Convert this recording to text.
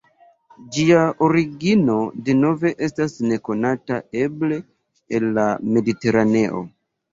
Ĝia origino, deveno estas nekonata, eble el la Mediteraneo.